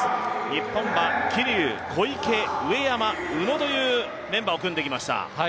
日本は桐生、小池、上山、宇野というメンバーを組んできました。